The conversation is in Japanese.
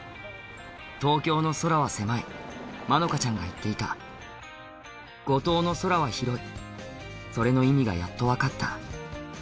「東京の空は狭いまのかちゃんが言っていた「五島の空は広いそれの意味がやっとわかった」